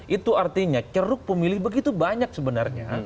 itu artinya ceruk pemilih begitu banyak sebenarnya